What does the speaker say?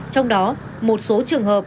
trong đó một số trường hợp